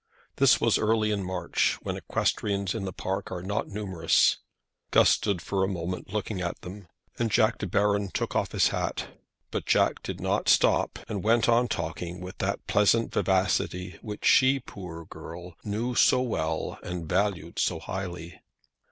This was early in March, when equestrians in the park are not numerous. Guss stood for a moment looking at them, and Jack De Baron took off his hat. But Jack did not stop, and went on talking with that pleasant vivacity which she, poor girl, knew so well and valued so highly.